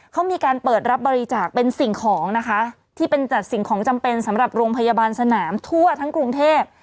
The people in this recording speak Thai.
เขามีการเปิดรับบริจาคเป็นสิ่งของนะคะที่เป็นจัดสิ่งของจำเป็นสำหรับโรงพยาบาลสนามทั่วทั้งกรุงเทพ